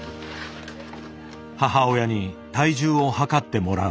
母親に体重をはかってもらう。